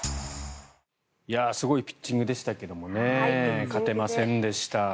すごいピッチングでしたけどもね勝てませんでした。